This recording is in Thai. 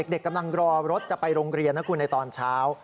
กำลังรอรถจะไปโรงเรียนนะคุณในตอนเช้า